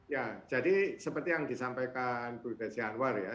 ya jadi seperti yang disampaikan bu desi anwar ya